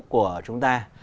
của chúng ta